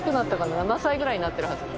７歳ぐらいになってるはず。